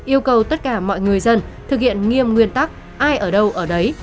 yêu cầu tất cả mọi người dân thực hiện nghiêm nguyên tắc ai ở đâu ở đấy